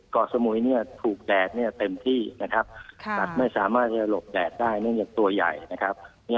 ก่อสมุยถูกแดดเต็มที่แต่ไม่สามารถหลบแดดได้เนื่องจากตัวใหญ่